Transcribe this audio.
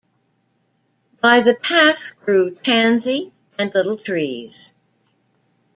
By the path grew tansy and little trees.